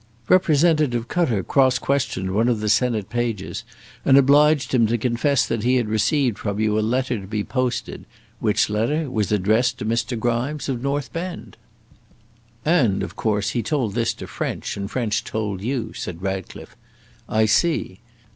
"Representative Cutter cross questioned one of the Senate pages, and obliged him to confess that he had received from you a letter to be posted, which letter was addressed to Mr. Grimes, of North Bend." "And, of course, he told this to French, and French told you," said Ratcliffe; "I see.